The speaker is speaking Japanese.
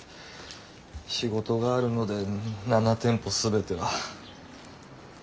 仕事があるので７店舗全ては。